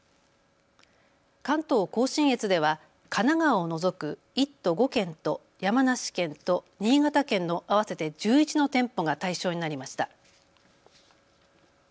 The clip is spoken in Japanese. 関東甲信越では神奈川を除く１都５県と山梨県と新潟県の合わせて１１の店舗が対象になりました。